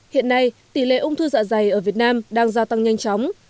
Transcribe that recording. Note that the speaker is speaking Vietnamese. hiện nay tỷ lệ ung thư dạ dày ở việt nam đang gia tăng nhanh chóng